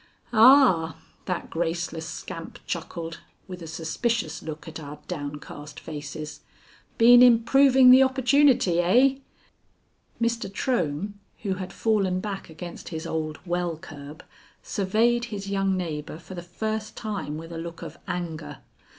"Ah!" that graceless scamp chuckled, with a suspicious look at our downcast faces, "been improving the opportunity, eh?" Mr. Trohm, who had fallen back against his old well curb, surveyed his young neighbor for the first time with a look of anger.